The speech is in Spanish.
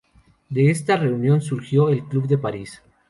De esta reunión surgió el Club de París.